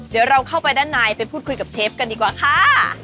เดี๋ยวเราเข้าไปด้านในไปพูดคุยกับเชฟกันดีกว่าค่ะ